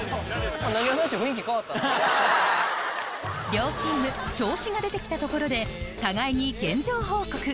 両チーム調子が出てきたところで互いに現状報告